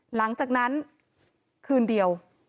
หลังจากนั้นคืนเดียว